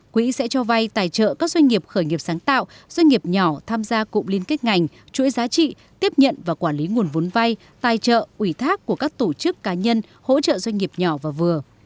quỹ sẽ cho vay tài trợ các doanh nghiệp khởi nghiệp sáng tạo doanh nghiệp nhỏ tham gia cụm liên kết ngành chuỗi giá trị tiếp nhận và quản lý nguồn vốn vay tài trợ ủy thác của các tổ chức cá nhân hỗ trợ doanh nghiệp nhỏ và vừa